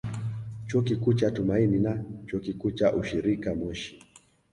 Chuo Kikuu cha Tumaini na Chuo Kikuu cha Ushirika Moshi